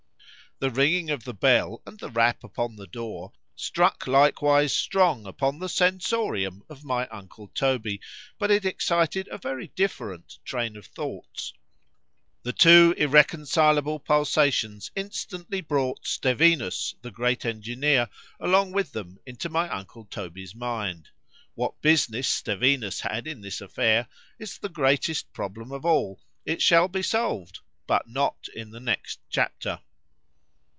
The ringing of the bell, and the rap upon the door, struck likewise strong upon the sensorium of my uncle Toby,—but it excited a very different train of thoughts;—the two irreconcileable pulsations instantly brought Stevinus, the great engineer, along with them, into my uncle Toby's mind. What business Stevinus had in this affair,—is the greatest problem of all:——It shall be solved,—but not in the next chapter.